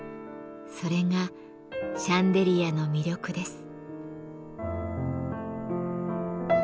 それがシャンデリアの魅力です。